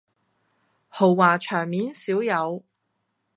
豪華場面少有